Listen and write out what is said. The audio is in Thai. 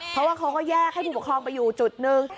เพราะว่าเขาก็แยกให้ผู้ปกครองไปอยู่จุดหนึ่ง